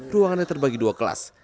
ruangannya terbagi dua kelas